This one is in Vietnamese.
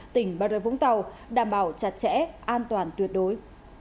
tỉnh bà rê vũng tàu đảm bảo chặt chẽ an toàn tuyệt đối